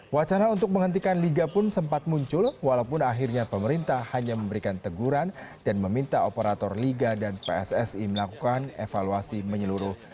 wacana untuk menghentikan liga pun sempat muncul walaupun akhirnya pemerintah hanya memberikan teguran dan meminta operator liga dan pssi melakukan evaluasi menyeluruh